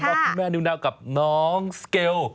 แล้วคุณแม่นิวนาวกับน้องสเกล